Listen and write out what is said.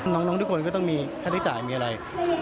น้องทุกคนก็ต้องมีค่าใช้จ่ายมีอะไร